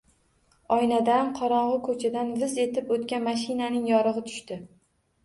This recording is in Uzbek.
Oynadan qorongʼi koʼchadan «viz» etib oʼtgan mashinaning yorugʼi tushdi.